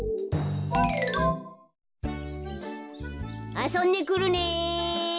・あそんでくるね！